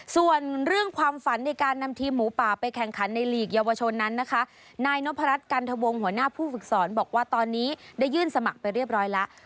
ส่วนเรื่องความฝันในการนำทีมหมูป่าไปแข่งขันในลีกเยาวชนนั้นนะคะนายนพรัชกันทวงหัวหน้าผู้ฝึกสอนบอกว่าตอนนี้ได้ยื่นสมัครไปเรียบร้อยแล้ว